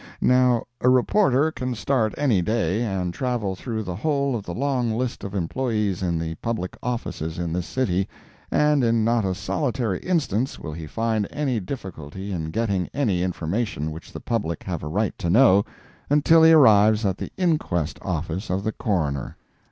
Now, a reporter can start any day, and travel through the whole of the long list of employees in the public offices in this city, and in not a solitary instance will he find any difficulty in getting any information which the public have a right to know, until he arrives at the inquest office of the Coroner.